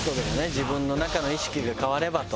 自分の中の意識が変わればと。